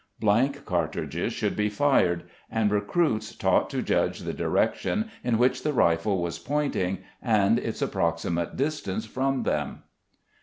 Blank cartridges should be fired, and recruits taught to judge the direction in which the rifle was pointing and its approximate distance from them.